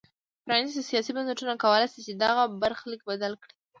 پرانیستي سیاسي بنسټونه کولای شي چې دغه برخلیک بدل کړي.